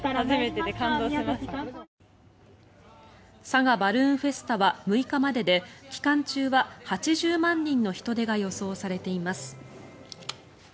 佐賀バルーンフェスタは６日までで期間中は８０万人の人出が予想されています。